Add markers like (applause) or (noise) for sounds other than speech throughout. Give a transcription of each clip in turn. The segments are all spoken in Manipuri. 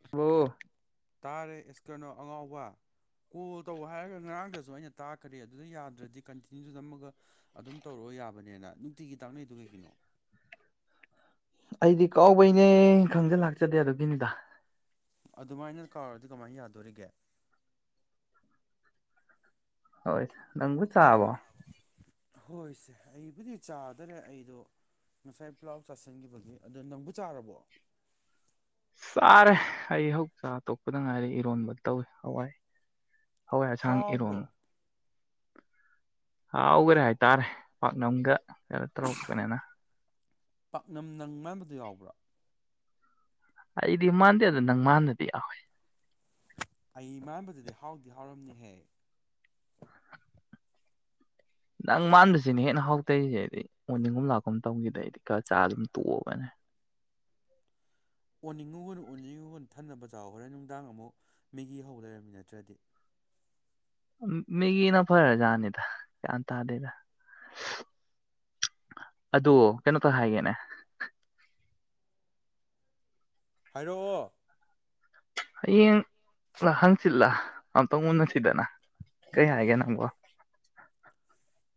ꯄꯨꯁꯤꯕꯣ- ꯇꯥꯔꯦ ꯑꯦꯁ ꯀꯩꯅꯣ ꯑꯉꯥꯎꯕ ꯀꯣꯜ ꯇꯧ ꯍꯥꯏꯔꯒ ꯉꯔꯥꯡꯗꯁꯨ ꯑꯩꯅ ꯇꯥꯛꯈꯔꯦ ꯑꯗꯨꯗ ꯌꯥꯗ꯭ꯔꯗꯤ ꯀꯟꯇꯤꯅ꯭ꯌꯨꯗꯨ ꯅꯝꯃꯒ ꯑꯗꯨꯝ ꯇꯧꯔꯛꯑꯣ ꯌꯥꯕꯅꯦꯅ ꯅꯨꯡꯇꯤꯒꯤ ꯇꯥꯛꯅꯩꯗꯨ ꯀꯩꯒꯤꯅꯣ ꯑꯩꯗꯤ ꯀꯥꯎꯕꯩꯅꯦ ꯈꯪꯖ ꯂꯥꯛꯆꯗꯦ ꯑꯗꯨꯒꯤꯅꯤꯗ ꯑꯗꯨꯃꯥꯏꯅ ꯀꯥꯎꯔꯗꯤ ꯀꯃꯥꯏꯅ ꯌꯥꯗꯣꯔꯤꯒꯦ ꯍꯣꯏ ꯅꯪꯕꯨ ꯆꯥꯔꯕꯣ ꯍꯣꯏꯁꯦ ꯑꯩꯕꯨꯗꯤ ꯆꯥꯗꯔꯦ ꯑꯩꯗꯣ ꯉꯁꯥꯏ ꯄꯂꯥꯎ ꯆꯥꯁꯤꯟꯒꯤꯕꯒꯤ ꯑꯗꯣ ꯅꯪꯕꯨ ꯆꯥꯔꯕꯣ ꯆꯥꯔꯦ ꯑꯩ ꯍꯧ ꯆꯥ ꯇꯣꯛꯄꯗ ꯉꯥꯏꯔꯤ ꯏꯔꯣꯟꯕ ꯇꯧꯏ ꯍꯋꯥꯏ ꯍꯋꯥꯏ ꯑꯁꯥꯡ ꯍꯥꯎꯕ꯭ꯔꯣ ꯏꯔꯣꯟ- ꯍꯥꯎꯒꯔꯦ ꯍꯥꯏꯇꯥꯔꯦ ꯄꯥꯛꯅꯝꯒ ꯀꯩꯅꯣ ꯇꯧꯔꯛꯄꯅꯤꯅ ꯄꯥꯛꯅꯝ ꯅꯪ ꯃꯥꯟꯕꯗꯨ ꯌꯥꯎꯕ꯭ꯔꯣ ꯑꯩꯗꯤ ꯃꯥꯟꯗꯦꯗ ꯅꯪ ꯃꯥꯟꯅꯗꯤ ꯌꯥꯎꯋꯦ ꯑꯩ ꯃꯥꯟꯕꯗꯨꯗꯤ ꯍꯥꯎꯗꯤ ꯍꯥꯎꯔꯝꯅꯤꯍꯦ ꯅꯪ ꯃꯥꯟꯕꯁꯤꯅꯤ ꯍꯦꯟꯅ ꯍꯥꯎꯇꯔꯤꯖꯦ ꯑꯗꯩ ꯑꯣꯅꯤꯡꯒꯨꯝ ꯂꯥꯛꯀꯨꯝ ꯇꯧꯒꯤꯗꯩꯗꯤ ꯈꯔ ꯆꯥ ꯑꯗꯨꯝ ꯇꯣꯛꯑꯕꯅꯦ ꯑꯣꯟꯅꯤꯡꯉꯨꯒꯅꯨ ꯑꯣꯅꯤꯡꯉꯨꯒꯅꯨ ꯊꯟꯅꯕ ꯆꯥꯎ ꯍꯣꯔꯦꯟ ꯅꯨꯡꯗꯥꯡ ꯑꯃꯨꯛ ꯃꯦꯒꯤ ꯍꯧ ꯂꯩꯔꯝꯅꯤ ꯅꯠꯇ꯭ꯔꯗꯤ ꯎꯝ ꯃꯦꯒꯤꯅ ꯐꯔ ꯖꯥꯠꯅꯤꯗ ꯒ꯭ꯌꯥꯟ ꯇꯥꯗꯦꯗ ꯁꯍꯍ ꯑꯗꯨ ꯀꯩꯅꯣꯝ ꯇꯥ ꯍꯥꯏꯒꯦꯅꯦ ꯍꯥꯏꯔꯛꯑꯣ ꯍꯌꯦꯡ ꯂꯥ ꯍꯥꯡꯆꯤꯠꯂꯥ ꯑꯝꯇꯪ ꯎꯟꯅꯁꯤꯗꯅ ꯀꯔꯤ ꯍꯥꯏꯒꯦ ꯅꯪꯕꯣ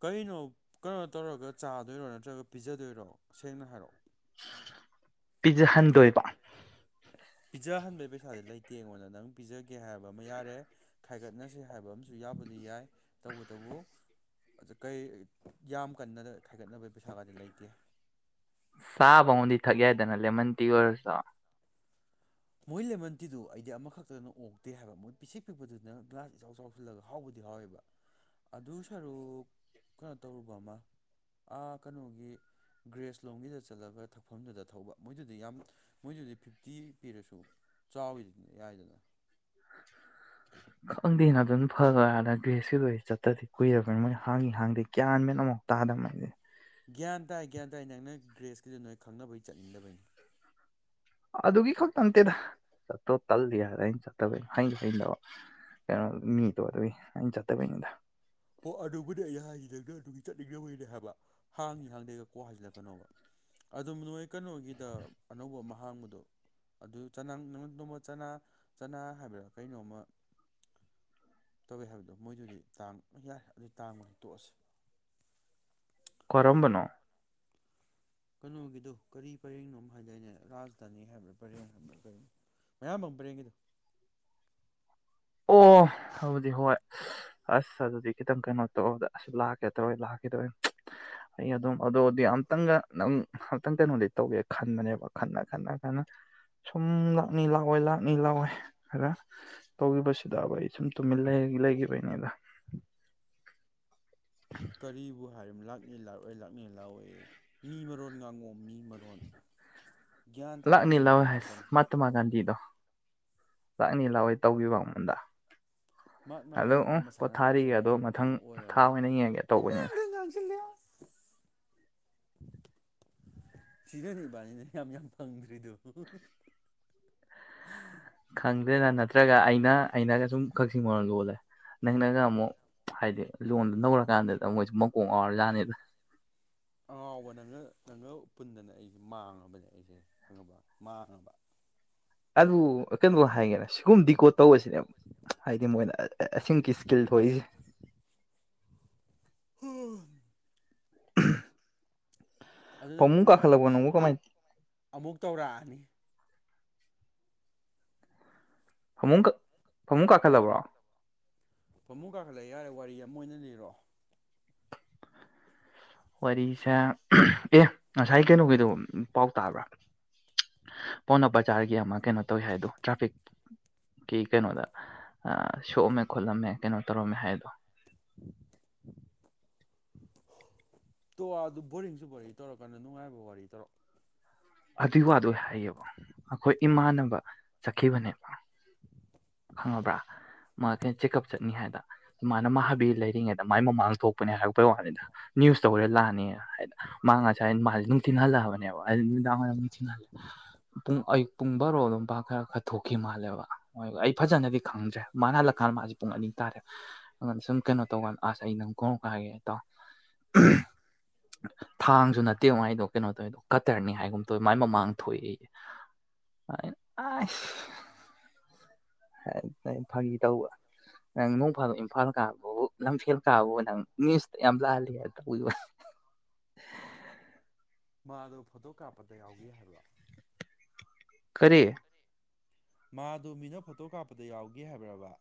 ꯀꯩꯅꯣ ꯀꯩꯅꯣ ꯇꯧꯔꯒ ꯆꯥꯗꯣꯏꯔꯣ ꯅꯠꯇ꯭ꯔꯒ ꯄꯤꯖꯗꯣꯏꯔꯣ ꯁꯦꯡꯅ ꯍꯥꯏꯔꯛꯑꯣ ꯄꯤꯖꯍꯟꯗꯣꯏꯕ ꯄꯤꯖꯍꯟꯕꯩ ꯄꯩꯁꯥꯗꯤ ꯂꯩꯇꯦ ꯑꯩꯉꯣꯟꯗ ꯅꯪ ꯄꯤꯖꯒꯦ ꯍꯥꯏꯕ ꯑꯃ ꯌꯥꯔꯦ ꯈꯥꯏꯒꯠꯅꯁꯦ ꯍꯥꯏꯕ ꯑꯃꯁꯨ ꯌꯥꯕꯨꯗꯤ ꯌꯥꯏ ꯇꯧꯕꯇꯕꯨ ꯑ ꯖ ꯀꯩ ꯌꯥꯝ ꯀꯟꯅꯗ ꯈꯥꯏꯒꯠꯅꯕꯩ ꯄꯩꯁꯥꯒꯥꯗꯤ ꯂꯩꯇꯦ ꯆꯥꯕꯥꯎꯗꯤ ꯊꯛ ꯌꯥꯏꯗꯅ ꯂꯦꯃꯟ ꯇꯤ ꯑꯣꯏꯔꯁꯨ ꯃꯣꯏ ꯂꯦꯃꯟ ꯇꯤꯗꯨ ꯑꯩꯗꯤ ꯑꯃꯈꯛꯇꯅ ꯑꯣꯛꯇꯦ ꯍꯥꯏꯕ ꯃꯣꯏ ꯄꯤꯁꯤꯛ ꯄꯤꯛꯄꯗꯨꯅ ꯒ꯭ꯂꯥꯁ ꯏꯆꯥꯎ ꯆꯥꯎꯁꯤꯜꯂꯒ ꯍꯥꯎꯕꯗꯤ ꯍꯥꯎꯋꯦꯕ ꯑꯗꯨ ꯁꯔꯨꯛ ꯀꯩꯅꯣ ꯇꯧꯔꯨꯕ ꯑꯃꯥ ꯑꯥ ꯀꯩꯅꯣꯒꯤ ꯒ꯭ꯔꯦꯁꯂꯣꯝꯒꯤꯗ ꯆꯠꯂꯒ ꯊꯛꯐꯝꯗꯨꯗ ꯊꯛꯎꯕ ꯃꯣꯏꯗꯨꯗꯤ ꯌꯥꯝ ꯃꯣꯏꯗꯨꯗꯤ ꯐꯤꯐꯇꯤ- ꯄꯤꯔꯁꯨ ꯆꯥꯎꯋꯤꯗꯨꯗꯤ ꯌꯥꯏꯗꯅ ꯈꯪꯗꯦꯅ ꯑꯗꯨꯅ ꯐꯗꯣꯏꯔ ꯑꯗ ꯒ꯭ꯔꯦꯁꯀꯤꯗꯣ ꯑꯩꯗꯤ ꯆꯠꯇꯗꯤ ꯀꯨꯏꯔꯕꯅꯤ ꯃꯣꯏꯖꯦ ꯍꯥꯡꯉꯤ ꯍꯥꯡꯗꯦ ꯒ꯭ꯌꯥꯟ ꯃꯦꯟ ꯑꯃꯨꯛ ꯇꯥꯗꯕ ꯃꯣꯏꯗꯦ ꯒ꯭ꯌꯥꯟ ꯇꯥꯏ ꯒ꯭ꯌꯥꯟ ꯇꯥꯏ ꯅꯪꯅ ꯒ꯭ꯔꯦꯁꯀꯤꯗꯨ ꯅꯣꯏ ꯈꯪꯅꯕꯩ ꯆꯠꯅꯤꯡꯗꯕꯩꯅꯤ ꯑꯗꯨꯒꯤ ꯈꯛꯇ ꯅꯠꯇꯦꯗ ꯆꯠꯇꯣ ꯇꯜꯂꯤ ꯍꯥꯏꯗ ꯑꯩꯅ ꯆꯠꯇꯕꯩꯅꯤ ꯍꯩꯁꯨ ꯍꯩꯟꯗꯕ ꯀꯩꯅꯣ ꯃꯤꯗꯣ ꯑꯗꯨꯏ ꯑꯩꯅ ꯆꯠꯇꯕꯩꯅꯤꯗ ꯍꯣ ꯑꯗꯨꯕꯨꯗꯤ ꯑꯩ ꯍꯥꯏꯖꯤꯅꯤ ꯅꯪꯅ ꯑꯗꯨꯒꯤ ꯆꯠꯅꯤꯡꯗꯕꯩꯅꯤ ꯍꯥꯏꯕ ꯍꯥꯡꯉꯤ ꯍꯥꯡꯗꯩꯒ ꯀꯣꯛ ꯍꯥꯏꯖꯤꯜꯂꯛꯀꯅꯣꯕ ꯑꯗꯨ ꯅꯣꯏ ꯀꯩꯅꯣꯒꯤꯗ ꯑꯅꯧꯕ ꯑꯃ ꯍꯥꯡꯕꯗꯣ ꯑꯗꯨ ꯆꯅꯥꯡ ꯅꯪꯅ ꯅꯣꯡꯃ ꯆꯅꯥ ꯆꯅꯥ ꯍꯥꯏꯕ꯭ꯔꯥ ꯀꯩꯅꯣꯃ ꯇꯧꯋꯦ ꯍꯥꯏꯕꯗꯣ ꯃꯣꯏꯗꯨꯗꯤ ꯇꯥꯡ- ꯑꯩ ꯌꯥꯔꯦ ꯑꯗꯨꯗꯤ ꯇꯥꯡꯕꯅꯤ ꯇꯣꯛꯑꯁꯤ ꯀꯔꯝꯕꯅꯣ ꯀꯩꯅꯣꯒꯤꯗꯨ ꯀꯔꯤ ꯄꯔꯦꯡꯅꯣ ꯑꯃ ꯍꯥꯏꯗꯥꯏꯅꯦ ꯔꯥꯖꯙꯥꯅꯤ ꯍꯥꯏꯕ꯭ꯔꯥ ꯄꯔꯦꯡ ꯍꯥꯏꯕ꯭ꯔꯥ ꯀꯩꯅꯣ ꯃꯌꯥꯝ ꯕꯝ ꯄꯔꯦꯡꯒꯤꯗꯨ ꯑꯣ ꯑꯗꯨꯗꯤ ꯍꯣꯏ ꯁꯍꯍ ꯑꯁ ꯑꯗꯨꯗꯤ ꯈꯤꯇꯪ ꯀꯩꯅꯣ ꯇꯧꯗ ꯑꯁ ꯂꯥꯛꯀꯦ ꯇꯧꯔꯣꯏ ꯂꯥꯛꯀꯦ ꯇꯧꯔ ꯑꯩ ꯑꯗꯨꯝ ꯑꯗꯨꯗꯤ ꯑꯝꯇꯪꯒ ꯅꯪ ꯑꯝꯇꯪ ꯀꯩꯅꯣꯗꯤ ꯇꯧꯒꯦ ꯈꯟꯕꯅꯦꯕ ꯈꯟꯅ ꯈꯟꯅ ꯈꯟꯅ ꯁꯨꯝ ꯂꯥꯛꯅꯤ ꯂꯥꯛꯑꯣꯏ ꯂꯥꯛꯅꯤ ꯂꯥꯛꯑꯣꯏ ꯈꯔ ꯇꯧꯈꯤꯕꯁꯤꯗꯕ ꯑꯩ ꯁꯨꯝ ꯇꯨꯃꯤꯟ ꯂꯩꯒꯤ ꯂꯩꯒꯤꯕꯩꯅꯤꯗ ꯀꯔꯤꯕꯨ ꯍꯥꯏꯔꯤꯝ ꯂꯥꯛꯅꯤ ꯂꯥꯛꯑꯣꯏ ꯂꯥꯛꯅꯤ ꯂꯥꯛꯑꯣꯏ ꯌꯦ ꯃꯤ ꯃꯔꯣꯟ ꯉꯥꯡꯉꯣ ꯃꯤ ꯃꯔꯣꯟ ꯒ꯭ꯌꯥꯟ ꯇꯥꯗꯕ ꯂꯥꯛꯅꯤ ꯃꯔꯣꯟ ꯂꯥꯛꯑꯣꯏ ꯍꯥꯏꯁ ꯉꯥꯡꯉꯛꯀꯅꯨ ꯃꯍꯥꯇꯃꯥ ꯒꯥꯟꯙꯤꯗꯣ ꯂꯥꯛꯅꯤ ꯂꯥꯛꯑꯣꯏ ꯇꯧꯒꯤꯕ ꯑꯩꯉꯣꯟꯗ ꯃꯍꯥꯠꯃꯥ ꯑꯗꯣ ꯒꯥꯟꯙꯤꯅ ꯎꯝ ꯃꯁꯥꯅ ꯄꯣꯊꯥꯔꯤꯒꯦ ꯂꯥꯛꯆꯕꯒꯤ ꯑꯗꯣ ꯃꯊꯪ ꯊꯕꯛꯇꯨꯃ ꯊꯥ ꯑꯣꯏꯔꯔꯣꯏ ꯑꯣꯏꯅ ꯌꯦꯡꯉꯒꯦ ꯇꯧꯕꯅꯤꯅ ꯁꯤꯔꯅꯤꯅꯤ ꯌꯥꯝ ꯌꯥꯝ ꯌꯥꯝ ꯐꯪ ꯔꯤꯗ ꯎꯝ ꯈꯪꯗꯦꯅ ꯅꯠꯇ꯭ꯔꯒ ꯑꯩꯅ ꯑꯩꯅꯒ ꯁꯨꯝ ꯀꯛꯆꯤꯡ ꯃꯔꯣ ꯂꯣꯜꯂꯦ ꯅꯪꯅꯒ ꯑꯃꯨꯛ ꯍꯥꯏꯗꯤ ꯂꯣꯟꯗ ꯅꯔꯀꯥꯟꯗꯨꯗ ꯃꯣꯏꯁꯨ ꯃꯀꯣꯡ ꯑꯥꯎꯔꯖꯥꯅꯤꯗ ꯑꯉꯥꯎꯕ ꯅꯪꯅ ꯅꯪꯒ ꯄꯨꯟꯗꯅ ꯑꯩꯁꯦ ꯃꯥꯡꯉꯕꯅꯦ ꯑꯩꯁꯦ ꯈꯪꯉꯕ ꯃꯥꯡꯉꯕ ꯑꯗꯨ ꯀꯩꯅꯣ ꯍꯥꯏꯒꯦꯅ ꯁꯤꯒꯨꯝ ꯗꯤꯀꯣ ꯇꯧꯕꯁꯤꯅꯦ ꯍꯥꯏꯗꯤ ꯃꯣꯏꯅ ꯑꯁꯤꯒꯤ ꯏꯁꯀꯤꯜ ꯊꯣꯛꯏꯁꯦ (unintelligible) ꯑꯗꯨ ꯅꯪ ꯐꯃꯨꯡ ꯄꯨꯡ ꯀꯌꯥ ꯀꯥꯈꯠꯂꯕꯣ ꯅꯪꯕꯨ ꯇꯨꯝꯗꯣꯏꯅꯣ ꯀꯃꯥꯏꯅ ꯑꯃꯨꯛ ꯇꯧꯔꯛꯑꯅꯤ ꯐꯃꯨꯡ ꯐꯃꯨꯡ ꯀꯥꯈꯠꯂꯕ꯭ꯔꯣ ꯐꯃꯨꯡ ꯀꯥꯈꯠꯂꯑꯦ ꯌꯥꯔꯦ ꯋꯥꯔꯤ ꯑꯃ ꯑꯣꯏꯅ ꯂꯤꯔꯣ ꯋꯥꯔꯤꯁꯦ ꯑꯦ ꯉꯁꯥꯏ ꯀꯩꯅꯣꯒꯤꯗꯣ ꯄꯥꯎ ꯇꯥꯕ꯭ꯔꯥ ꯄꯥꯎꯅꯥ ꯕꯖꯥꯔꯒꯤ ꯑꯃ ꯀꯩꯅꯣ ꯇꯧꯋꯤ ꯍꯥꯏꯗꯣ ꯇ꯭ꯔꯥꯐꯤꯛꯀꯤ ꯀꯩꯅꯣꯗ ꯁꯣꯛꯑꯝꯃꯦ ꯈꯣꯠꯂꯝꯃꯦ ꯀꯩꯅꯣ ꯇꯧꯔꯝꯃꯦ ꯍꯥꯏꯗꯣ ꯇꯣ ꯑꯗꯨ ꯕꯣꯔꯤꯡꯁꯨ ꯋꯥꯔꯤ ꯇꯧꯔꯛꯀꯥꯟꯗ ꯅꯨꯡꯉꯥꯏꯕ ꯋꯥꯔꯤ ꯇꯧꯔ ꯑꯗꯨꯏ ꯋꯥꯗ ꯑꯣꯏ ꯍꯥꯏꯌꯦꯕ ꯑꯩꯈꯣꯏ ꯏꯃꯥꯟꯅꯕ ꯆꯠꯈꯤꯕꯅꯦꯕ ꯈꯪꯉꯕ꯭ꯔꯥ ꯃꯥ ꯀꯩꯅꯣ ꯆꯦꯛꯀꯑꯞ ꯆꯠꯅꯤ ꯍꯥꯏꯗꯅ ꯁꯨꯃꯥꯏꯅ ꯃꯥ ꯍꯥꯕꯤ ꯂꯩꯔꯤꯉꯩꯗ ꯃꯥꯏ ꯃꯃꯥꯡ ꯊꯣꯛꯄꯅꯦ ꯍꯥꯏꯔꯛꯄꯩ ꯋꯥꯅꯤꯗ ꯅ꯭ꯌꯨꯁ ꯇꯧꯔ ꯂꯥꯛꯑꯅꯤꯅ ꯍꯥꯏꯅ ꯃꯥ ꯉꯁꯥꯏ ꯃꯥꯁꯦ ꯅꯨꯡꯊꯤꯟ ꯍꯜꯂꯛꯑꯕꯅꯦꯕ ꯝꯅ (unintelligible) ꯄꯨꯡ ꯑꯌꯨꯛ ꯄꯨꯡ ꯕꯥꯔꯣ ꯑꯗꯨꯝ ꯄ ꯈꯔ ꯈꯔ ꯊꯣꯛꯈꯤ ꯃꯥꯜꯂꯦꯕ ꯑꯩ ꯐꯖꯅꯗꯤ ꯈꯪꯗ꯭ꯔꯦ ꯃꯥꯅ ꯍꯜꯂꯛꯀꯥꯟꯗ ꯃꯥꯁꯦ ꯄꯨꯡ ꯑꯅꯤ ꯇꯥꯔꯦ ꯑꯗꯨꯉꯣꯟ ꯁꯨꯝ ꯀꯩꯅꯣ ꯇꯧꯀꯥꯟ ꯑꯁ ꯑꯩ ꯅꯪ ꯀꯣꯡ ꯀꯥꯏꯒꯦ ꯍꯥꯏ ꯇꯥꯎ ꯊꯥꯡꯁꯨ ꯅꯠꯇꯦꯉꯥꯏꯗꯣ ꯀꯩꯅꯣ ꯇꯧꯋꯗꯣ ꯀꯇꯔꯅꯤ ꯍꯥꯏꯒꯨꯝ ꯃꯥꯏ ꯃꯃꯥꯡ ꯊꯣꯛꯑꯦ ꯑ ꯐꯔꯤ ꯇꯧꯕ ꯅ ꯏꯝꯐꯥꯜ ꯀꯥꯕꯕꯨ ꯂꯝꯐꯦꯜ ꯀꯥꯕꯕꯨ ꯅꯪ ꯃꯤꯁꯇ ꯌꯥꯝ ꯂꯥꯛꯍꯜꯂꯤ ꯍꯥꯏꯅ ꯇꯧꯕꯤꯕ ꯃꯥꯗꯣ ꯐꯣꯇꯣ ꯀꯥꯞꯄꯗ ꯌꯥꯎꯒꯦ ꯍꯥꯏꯕ ꯈꯔꯤ ꯃꯥꯗꯨ ꯃꯤꯅ ꯐꯣꯇꯣ ꯀꯥꯞꯄꯗ ꯌꯥꯎꯒꯦ ꯍꯥꯏꯕꯔꯕ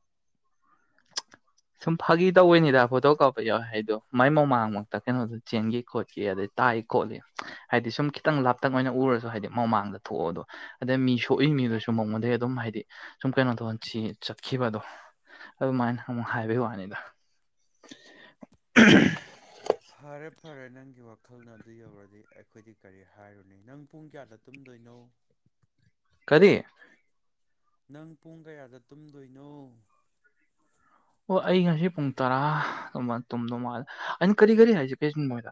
ꯁꯨꯝ ꯐꯥꯒꯤ ꯇꯧꯑꯣꯏꯅꯤꯗꯣ ꯀꯧ ꯀꯥꯎ ꯌꯥꯎꯋꯏ ꯍꯥꯏꯗꯣ ꯃꯥꯏ ꯃꯃꯥꯡꯃꯛꯇ ꯀꯩꯅꯣꯗꯣ ꯆꯦꯟꯒꯤ ꯈꯣꯠꯈꯤ ꯑꯗꯩ ꯇꯥꯏ ꯈꯣꯠꯂꯤ ꯍꯥꯏꯗꯤ ꯁꯨꯝ ꯈꯤꯇꯪ ꯂꯥꯞꯇꯪ ꯑꯣꯏꯅ ꯎꯔꯁꯨ ꯍꯥꯏꯗꯤ ꯃꯃꯥꯡꯗ ꯊꯣꯛꯑꯣꯗꯣ ꯑꯗꯩ ꯃꯤ ꯁꯣꯛꯏ ꯃꯤꯗꯨꯁꯨ ꯃꯉꯣꯟꯗꯒꯤꯩ ꯑꯗꯨꯝ ꯍꯥꯏꯗꯤ ꯁꯨꯝ ꯀꯩꯅꯣ ꯊꯧ ꯁꯤ ꯆꯠꯈꯤꯕꯗꯣ ꯑꯗꯨꯃꯥꯏꯅ ꯑꯃꯨꯛ ꯍꯥꯏꯕꯒꯤ ꯋꯥꯅꯤꯗ ꯐꯔꯦꯠ ꯐꯔꯦ ꯅꯪꯒꯤ ꯋꯥꯈꯜꯅ ꯑꯗꯨ ꯌꯧꯔꯗꯤ ꯑꯩꯈꯣꯏꯗꯤ ꯀꯔꯤ ꯍꯥꯏꯔꯨꯅꯤ ꯅꯪ ꯄꯨꯡ ꯀꯌꯥꯗ ꯇꯨꯝꯗꯣꯏꯅꯣ ꯀꯔꯤ ꯅꯪ ꯄꯨꯡ ꯀꯌꯥꯗ ꯇꯨꯝꯗꯣꯏꯅꯣ ꯑꯣ ꯑꯩ ꯉꯁꯤ ꯄꯨꯡ ꯇꯔꯥ ꯇꯣꯝꯗꯧ ꯃꯥꯜꯂꯦ ꯑꯩꯅ ꯀꯔꯤ ꯀꯔꯤ ꯍꯥꯏꯁ ꯀꯔꯤꯆ ꯃꯣꯏꯗ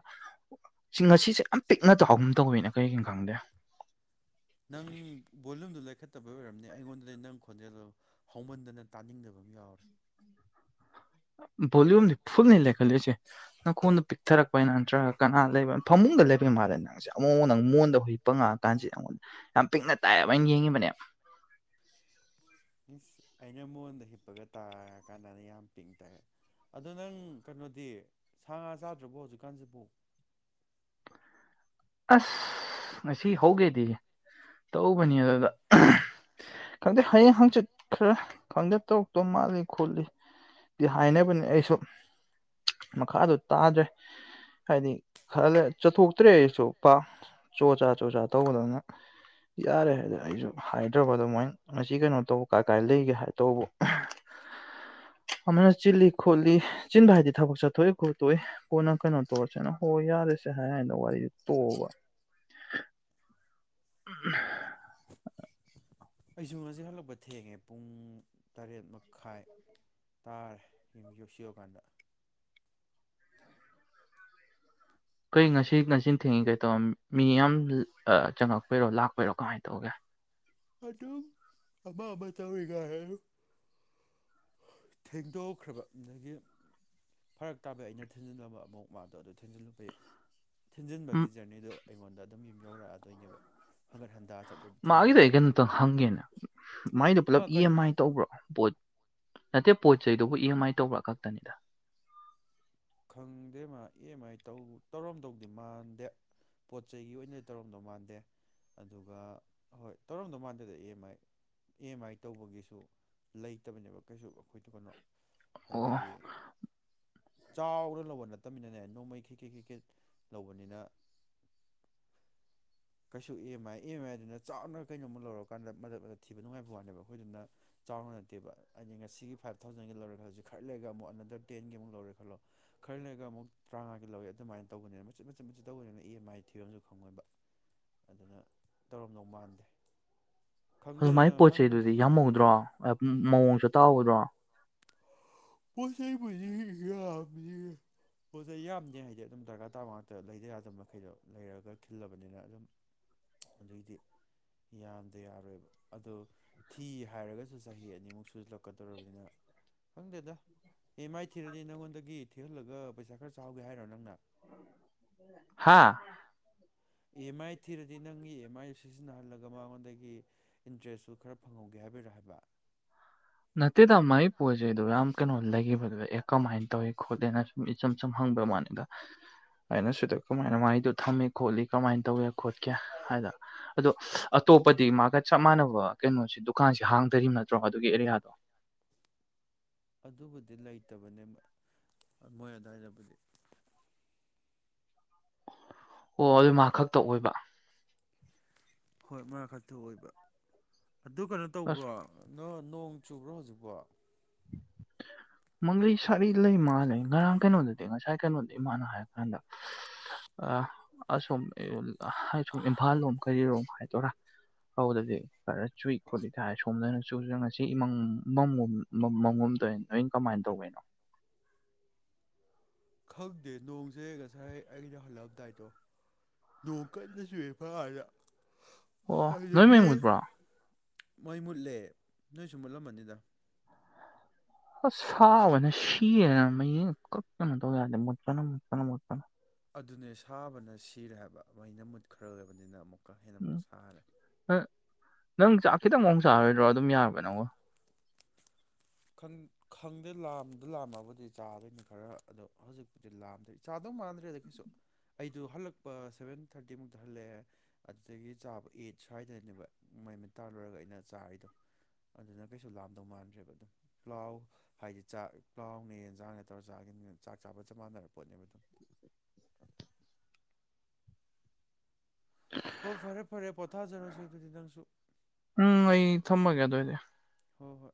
ꯉꯁꯤꯁꯦ ꯌꯥꯝ ꯄꯤꯛꯅ ꯆꯥꯎꯒꯨꯝ ꯇꯧꯋꯅ ꯀꯩꯒꯤꯅꯣ ꯈꯪꯗꯦ ꯅꯪ ꯕꯣꯂꯨꯝꯗꯨ ꯂꯩꯈꯠ ꯐꯠꯇꯕꯩ ꯑꯣꯏꯔꯝꯅꯤ ꯑꯩꯉꯣꯟꯗꯗꯤ ꯅꯪ ꯈꯣꯟꯖꯦꯜꯗ ꯍꯧꯃꯟꯗꯅ ꯇꯥꯅꯤꯡꯗꯕ ꯑꯃ ꯌꯥꯎꯔꯦ ꯚꯣꯂꯌꯨꯝꯗꯤ ꯐꯨꯜꯅꯤ ꯂꯩꯈꯠꯂꯤꯏꯁꯦ ꯅꯈꯣꯟꯗ ꯄꯤꯛꯊꯔꯛꯄꯅ ꯅꯠꯇ꯭ꯔꯒ ꯀꯅꯥ ꯂꯩꯕꯅꯣ ꯐꯃꯨꯡꯗ ꯂꯩꯕꯒꯤ ꯃꯥꯜꯂꯦ ꯅꯪꯁꯦ ꯑꯃꯨꯛ ꯅꯪ ꯃꯣꯟꯗ ꯍꯨꯖꯤꯛꯄ ꯉꯥꯡꯉꯑꯀꯥꯟꯁꯤꯦ ꯑꯩꯉꯣꯟꯗ ꯌꯥꯝ ꯄꯤꯛꯅ ꯇꯥꯏꯑꯕ ꯑꯩꯅ ꯌꯦꯡꯉꯤꯕꯅꯦ ꯃꯤꯁ ꯑꯩꯅ ꯃꯉꯣꯟꯗ ꯍꯤꯞꯄꯒ ꯇꯥꯔꯀꯥꯟꯗꯅ ꯌꯥꯝ ꯄꯤꯡ ꯇꯥꯏꯦ ꯑꯗꯣ ꯅꯪ ꯀꯩꯅꯣꯗꯤ ꯁꯥ ꯉꯥ ꯆꯥꯗ꯭ꯔꯕꯣ ꯍꯧꯖꯤꯛꯀꯥꯟꯁꯤꯕꯨ ꯑꯁ ꯉꯁꯤ ꯍꯧꯒꯦꯗꯤ ꯇꯧꯕꯅꯤ ꯑꯗꯨꯗ ꯈꯪꯗꯦ ꯍꯌꯦꯡ ꯍꯪꯆꯤꯠ ꯈꯔ ꯈꯪꯗꯦ ꯇꯧꯔꯛꯇꯧ ꯃꯥꯜꯂꯤ ꯈꯣꯠꯂꯤ ꯍꯥꯏꯅꯕꯅꯤ ꯑꯩꯁꯨ ꯃꯈꯥꯗꯣ ꯇꯥꯗ꯭ꯔꯦ ꯍꯥꯏꯗꯤ ꯈꯔꯂ ꯆꯠꯊꯣꯛꯇ꯭ꯔꯦ ꯑꯩꯁꯨ ꯄ ꯆꯣ ꯆꯥ ꯆꯣ ꯆ ꯇꯧꯕꯗꯅ ꯌꯥꯔꯦ ꯍꯥꯏꯗꯅ ꯑꯩꯁꯨ ꯍꯥꯏꯗ꯭ꯔꯕꯗꯣ ꯃꯣꯏ ꯉ ꯀꯩꯅꯣ ꯇꯧꯕ ꯀꯥꯏ ꯀꯥꯏ ꯂꯩꯒꯦ ꯍꯥꯏ ꯇꯧꯕ ꯑꯃꯅ ꯆꯤꯜꯂꯤ ꯈꯣꯠꯂꯤ ꯆꯤꯟꯕ ꯍꯥꯏꯗꯤ ꯊꯕꯛ ꯆꯠꯊꯣꯛꯏ ꯈꯣꯠꯇꯣꯛꯏ ꯄꯣꯅ ꯀꯩꯅꯣ ꯇꯧꯔꯁꯤꯦꯅ ꯍꯣꯏ ꯌꯥꯔꯦꯁꯦ ꯍꯥꯏꯥꯟꯗ ꯋꯥꯔꯤꯗꯨ ꯇ ꯎꯝ ꯑꯩꯁꯨ ꯉꯁꯤꯛ ꯍꯜꯂꯛꯄ ꯊꯦꯡꯉꯦ ꯄꯨꯡ ꯇꯔꯦꯠ ꯃꯈꯥꯏ ꯇꯥꯔꯦ ꯌꯨꯝ ꯌꯣꯛꯁꯤꯑꯀꯥꯟꯗ ꯀꯩ ꯉꯁꯤ ꯉꯁꯤ ꯊꯦꯡꯉꯤ ꯀꯩ ꯇꯧꯔ ꯃꯤ ꯌꯥꯝ ꯆꯪꯉꯛꯄꯣꯏꯔꯣ ꯂꯥꯛꯄꯣꯏꯔꯣ ꯀꯃꯥꯏꯅ ꯇꯧꯒꯦ ꯑꯗꯨꯝ ꯑꯃ ꯑꯃ ꯇꯧꯔꯤꯒ ꯍꯥꯏ ꯊꯦꯡꯗꯣꯛꯈ꯭ꯔꯕ ꯑꯗꯒꯤ ꯐꯔꯛ ꯇꯥꯕ ꯑꯩꯅ ꯊꯤꯟꯖꯤꯜꯂꯝꯕ ꯑꯃꯨꯛ ꯃꯥꯗꯣ ꯑꯗꯨ ꯊꯤꯟꯖꯤꯜꯂꯨꯕꯩ ꯊꯤꯟꯖꯤꯟꯕꯒꯤ ꯖꯔꯅꯤꯗꯨ ꯑꯩꯉꯣꯟꯗ ꯑꯗꯨꯝ ꯌꯨꯝ ꯌꯧꯔꯛꯑꯗꯣꯏꯅꯦꯕ ꯍꯪꯒꯠ ꯍꯟ ꯆꯠꯂꯨ ꯊꯤꯟꯖꯤꯜꯂꯨꯕꯗꯨꯅ ꯇꯪ ꯍꯪꯒꯦꯅ ꯃꯥꯏꯗꯣ ꯄꯨꯂꯞ ꯏ ꯑꯦꯝ ꯑꯥꯏ ꯇꯧꯕ꯭ꯔꯣ ꯄꯣꯠ ꯅꯠꯇꯦ ꯄꯣꯠ ꯆꯩꯗꯨꯕꯨ ꯏ ꯑꯦꯝ ꯑꯥꯏ ꯇꯧꯕꯔ ꯈꯛꯇꯅꯤꯗ ꯈꯪꯗꯦ ꯃꯥ ꯑꯦ ꯑꯦꯝ ꯑꯥꯏ ꯇꯧ ꯇꯧꯔꯝꯗꯧꯗꯤ ꯃꯥꯟꯗꯦ ꯄꯣꯠ ꯆꯩꯒꯤ ꯑꯣꯏꯅꯗꯤ ꯇꯧꯔꯝꯗꯧ ꯃꯥꯟꯗꯦ ꯑꯗꯨꯒ ꯍꯣꯏ ꯇꯧꯔꯝꯗꯧ ꯃꯥꯟꯗꯦꯗ A M I A M ꯑꯥꯏ ꯇꯧꯕꯒꯤꯁꯨ ꯂꯩꯇꯕꯅꯦꯕ ꯀꯩꯁꯨ ꯑꯩꯈꯣꯏꯗ ꯀꯩꯅꯣ ꯑꯣ ꯍꯥꯏꯕꯗꯤ ꯆꯥꯎꯔ ꯂꯧꯕ ꯅꯠꯇꯕꯅꯤꯅꯅꯦ ꯅꯣꯡꯃꯩ ꯈꯤꯛꯀꯦꯦꯛ ꯈꯤꯛꯀꯦ ꯂꯧꯕꯅꯤꯅ ꯀꯩꯁꯨ E M I E M ꯑꯥꯏꯗꯨꯅ ꯆꯥꯎꯅ ꯀꯩꯅꯣ ꯑꯃꯨꯛ ꯂꯧꯔꯀꯥꯟꯗ ꯃ ꯊꯤꯕ ꯅꯨꯡꯉꯥꯏꯕ ꯋꯥꯅꯦꯕ ꯑꯩꯈꯣꯏꯗꯨꯅ ꯆꯥꯎꯅ ꯅꯠꯇꯦꯕ ꯍꯥꯏꯗꯤ ꯉꯁꯤꯒꯤ ꯐꯥꯏꯚ ꯊꯥꯎꯖꯟꯒꯤ ꯂꯧꯔꯦ ꯈꯜꯂꯁꯤꯦ ꯈꯔ ꯂꯩꯔꯒ ꯑꯃꯨꯛ ꯑꯅꯟꯗꯔ ꯇꯦꯟꯒꯤ ꯑꯃꯨꯛ ꯂꯧꯔꯦ ꯈꯜꯂꯣꯔ ꯂꯩꯔꯒ ꯑꯃꯨꯛ ꯇꯔꯥꯃꯉꯥꯒꯤ ꯂꯧꯋꯦ ꯑꯗꯨꯃꯥꯏꯅ ꯇꯧꯕꯅꯤꯅ ꯃꯆꯠꯆꯦꯠ ꯃꯆꯦꯠ ꯇꯧꯕꯅꯤꯅ ꯏ ꯑꯦꯝ ꯑꯥꯏ ꯊꯤꯕ ꯑꯃꯁꯨ ꯈꯪꯉꯣꯏꯕ ꯑꯗꯨꯅ ꯇꯧꯔꯝꯗꯧ ꯃꯥꯟꯗꯦ ꯈꯪꯗꯦ ꯑꯗꯨ ꯑꯗꯨꯃꯥꯏꯅ ꯅꯪ ꯄꯣꯠ ꯍꯪꯒꯦ ꯆꯩꯗꯨꯗꯤ ꯍꯥꯏꯕꯗꯤ ꯌꯥꯝꯍꯧꯗ꯭ꯔꯣ ꯃꯑꯣꯡ ꯆ ꯇꯥꯎꯗ꯭ꯔꯣ ꯄꯣꯠ ꯆꯩꯩꯕꯨꯗꯤ ꯌꯥꯝꯗꯤ ꯄꯣꯠꯆꯩ ꯌꯥꯝꯗꯦ ꯍꯥꯏꯗꯤ ꯑꯗꯨꯝ ꯗꯔꯀꯥꯔ ꯇꯥꯕ ꯉꯥꯛꯇ ꯂꯩꯗ ꯌꯥꯗꯕ ꯃꯈꯩꯗꯣ ꯂꯩꯔꯒ ꯈꯤꯜꯂꯕꯅꯤꯅ ꯑꯗꯨꯝ ꯑꯗꯨꯏꯗꯤ ꯌꯥꯝꯗ ꯌꯥꯔꯣꯏꯕ ꯑꯣ ꯊꯤ ꯍꯥꯏꯔꯒꯁꯨ ꯆꯍꯤ ꯑꯅꯤꯃꯨꯛ ꯁꯨꯖꯜꯂꯛꯀꯗꯧꯔꯕꯅꯤꯅ ꯈꯪꯗꯦꯗ ꯑꯦ ꯑꯦꯝ ꯑꯥꯏ ꯊꯤꯔꯗꯤ ꯅꯪꯉꯣꯟꯗꯒꯤ ꯊꯤꯍꯜꯂꯒ ꯄꯩꯁꯥ ꯈꯔ ꯆꯥꯎꯍꯒꯦ ꯍꯥꯏꯔꯣ ꯅꯪꯅ ꯍꯥꯥ ꯏ ꯑꯦꯝ ꯑꯥꯏ ꯊꯤꯔꯗꯤ ꯅꯪꯒꯤ ꯏ ꯑꯦꯝ ꯑꯥꯏꯗꯨ ꯁꯤꯖꯤꯟꯅꯍꯜꯂꯒ ꯃꯉꯣꯟꯗꯒꯤ ꯏꯟꯇꯔꯦꯁꯁꯨ ꯈꯔ ꯐꯪꯍꯧꯒꯦ ꯍꯥꯏꯕꯔꯥ ꯍꯥꯏꯕ ꯅꯠꯇꯦꯗ ꯃꯥꯒꯤ ꯄꯣꯠ ꯆꯩꯩꯗꯣ ꯌꯥꯝ ꯀꯩꯅꯣ ꯂꯩꯈꯤꯕꯗꯨ ꯑꯦ ꯀꯃꯥꯏꯅ ꯇꯧꯏ ꯈꯣꯠꯂꯦꯅ ꯁꯨꯝ ꯏꯆꯝ ꯆꯝ ꯍꯪꯕꯩ ꯃꯥꯟꯅꯤꯗ ꯑꯩꯅ ꯁꯤꯗ ꯀꯃꯥꯏꯅ ꯃꯒꯤꯗꯣ ꯊꯝꯃꯤ ꯈꯣꯠꯂꯤ ꯀꯃꯥꯏꯅ ꯇꯧꯒꯦ ꯈꯣꯠꯀꯦ ꯍꯥꯏꯗ ꯑꯗꯣ ꯑꯇꯣꯞꯄꯗꯤ ꯃꯥꯒ ꯆꯞ ꯃꯥꯟꯅꯕ ꯀꯩꯅꯣꯁꯤ ꯗꯨꯀꯥꯟꯁꯤ ꯍꯥꯡꯗ꯭ꯔꯤꯕ ꯅꯠꯇ꯭ꯔꯣ ꯑꯗꯨꯒꯤ ꯑꯦꯔꯤꯌꯥꯗ ꯑꯗꯨꯕꯨꯗꯤ ꯂꯩꯇꯕꯅꯦ ꯃꯣꯏ ꯑꯗꯨꯋꯥꯏꯗꯕꯨꯗꯤ ꯑꯣ ꯑꯗꯨ ꯃꯥ ꯈꯛꯇ ꯑꯣꯏꯕ ꯍꯣꯏ ꯃꯔ ꯈꯛꯇ ꯑꯣꯏꯕ ꯑꯗꯨ ꯀꯩꯅꯣ ꯑꯁ ꯇꯧꯕ꯭ꯔꯣ ꯅ ꯅꯣꯡ ꯆꯨꯕ꯭ꯔꯥ ꯍꯧꯖꯤꯛꯐꯥꯎ ꯃꯪꯂꯤ ꯁꯥꯔꯤ ꯂꯩ ꯃꯥ ꯂꯩ ꯉꯔꯥꯡ ꯀꯩꯅꯣꯗꯗꯤ ꯉꯁꯥꯏ ꯀꯩꯅꯣꯗ ꯏꯃꯥꯅ ꯍꯥꯏ ꯑꯗ ꯑ ꯑꯁꯣꯝ ꯍꯥꯏ ꯁꯨꯝ ꯏꯝꯐꯥꯜ ꯂꯣꯝ ꯀꯔꯤꯔꯣꯝ ꯍꯥꯏ ꯇꯔꯥ ꯍꯧꯗꯗꯤ ꯈꯔ ꯆꯨꯏ ꯈꯣꯠꯂꯤ ꯊꯥꯏꯔ ꯁꯣꯝꯗꯅ ꯆꯨꯁꯨ ꯉꯁꯤ ꯏꯃꯪ ꯃꯣꯝ ꯃꯒꯣꯝ ꯀꯃꯥꯏꯅ ꯇꯧꯕꯅꯣ ꯈꯪꯗꯦ ꯅꯣꯡꯁꯦ ꯉꯁꯥꯏ ꯑꯩꯩꯅ ꯍꯜꯂꯛꯑꯝꯗꯥꯏꯗꯣ ꯅꯣꯡ ꯀꯟꯅ ꯆꯨꯑ ꯐꯥꯔꯗ ꯑꯣ ꯅꯣꯏ ꯃꯉꯨꯠꯄ꯭ꯔꯣ ꯃꯣꯏ ꯃꯨꯠꯂꯦ ꯅꯣꯏꯁꯨ ꯃꯨꯠꯂꯝꯃꯅꯤꯗ ꯑ ꯁꯥꯕꯅ ꯁꯤꯌꯦꯅ ꯃꯌꯦꯡ ꯀ ꯀꯩꯅꯣ ꯇꯧ ꯌꯥꯗꯦ ꯃꯨꯠꯅ ꯃꯨꯠꯅ ꯃꯣꯠꯄꯅ ꯑꯗꯨꯅꯦ ꯁꯥꯕꯅ ꯁꯤꯔꯦ ꯍꯥꯏꯕ ꯃꯩꯅ ꯃꯨꯠꯈ꯭ꯔ ꯂꯩꯕꯅꯤꯅ ꯑꯃꯨꯛ ꯀꯁꯥꯗ ꯎꯝ ꯃꯛꯁꯥꯜ ꯅꯪ ꯆꯥꯛ ꯈꯤꯇꯪ ꯃꯑꯣꯡ ꯆꯥꯔꯣꯏꯗ꯭ꯔꯣ ꯑꯗꯨꯝ ꯌꯥꯔꯕ ꯅꯉ ꯈꯪꯗꯦ ꯂꯥꯝꯗ ꯂꯥꯝꯃꯕꯨꯗꯤ ꯆꯥꯗꯣꯏꯅꯤ ꯈꯔ ꯑꯗꯣ ꯍꯧꯖꯤꯛꯄꯨꯗꯤ ꯂꯥꯝꯗ꯭ꯔꯦ ꯆꯥꯗꯧ ꯃꯥꯟꯗ꯭ꯔꯦꯗ ꯀꯩꯁꯨ ꯑꯩꯗ ꯍꯜꯂꯛꯄ ꯁꯚꯦꯟ ꯊꯥꯔꯇꯤꯃꯨꯛꯇ ꯍꯜꯂꯛꯑꯦ ꯑꯗꯨꯗꯒꯤ ꯆꯥꯕ ꯑꯩꯠ ꯁ꯭ꯋꯥꯏꯗꯅꯦꯕ ꯃꯃꯤꯠ ꯇꯥ ꯂꯣꯏꯔꯒ ꯑꯩꯅ ꯆꯥꯔꯤꯗꯣ ꯑꯗꯨꯅ ꯀꯩꯁꯨ ꯂꯥꯝꯗꯧ ꯃꯥꯟꯗ꯭ꯔꯦꯕ ꯑꯗꯨꯝ ꯄ꯭ꯂꯥꯎ ꯍꯥꯏꯗꯤ ꯆꯥꯛ ꯄ꯭ꯂꯥꯎꯅꯦ ꯌꯦꯟꯖꯥꯡꯅꯦ ꯇꯧꯔꯒ ꯆꯥꯈꯤꯕꯅꯤꯅ ꯆꯥꯛ ꯆꯥꯕ ꯆꯞ ꯃꯥꯟꯅꯔ ꯄꯣꯠꯅꯦꯕ ꯑꯗꯨꯝ ꯍꯣ ꯐꯔꯦ ꯐꯔꯦ ꯄꯣꯊꯥꯖꯅꯣꯁ ꯇ ꯆꯤꯗꯥꯡꯁꯨꯨ ꯎꯝ ꯑꯩ ꯊꯝꯃꯒꯦ ꯑꯗꯨ ꯑꯣꯏꯏꯗꯤ ꯍꯣꯏ ꯍꯣꯏ